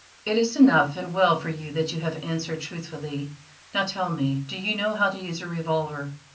"It is enough; and well for you that you have answered truthfully. Now tell me: do you know how to use a revolver?"